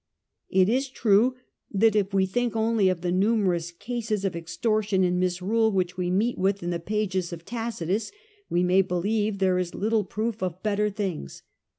It is true that if we think only of the numerous cases of extortion and misrule which we meet with in the pages of Tacitus we may believe there is little proof of better Life in the Provinces, loi Ihingrs.